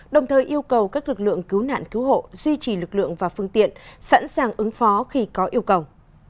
đồng thời yêu cầu các lực lượng cứu nạn cứu hộ duy trì lực lượng và phương tiện sẵn sàng ứng phó khi có yêu cầu